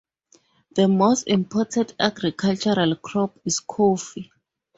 The most important agricultural crops is coffee.